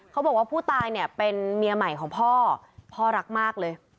เขาบอกว่าผู้ตายเนี่ยเป็นเมียใหม่ของพ่อพ่อรักมากเลย